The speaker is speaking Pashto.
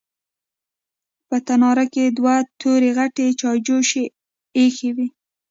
په تناره کې دوه تورې غټې چايجوشې ايښې وې.